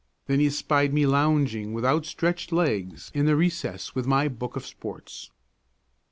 Then he espied me lounging with outstretched legs in the recess with my book of sports.